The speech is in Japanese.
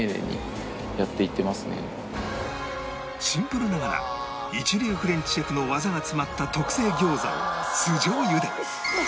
シンプルながら一流フレンチシェフの技が詰まった特製餃子を酢じょう油で